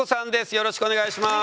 よろしくお願いします。